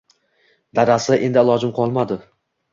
-Dadasi endi ilojim qolmadi